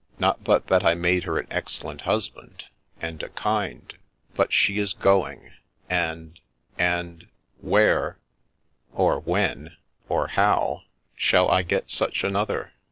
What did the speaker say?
' Not but that I made her an excellent husband, and a kind ; but she is going, and — and — where, or when, . or how — shall I get such another